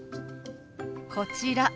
こちら。